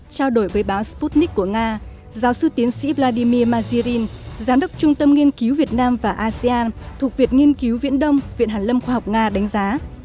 trao đổi với báo sputnik của nga giáo sư tiến sĩ vladimir mazirin giám đốc trung tâm nghiên cứu việt nam và asean thuộc viện nghiên cứu viễn đông viện hàn lâm khoa học nga đánh giá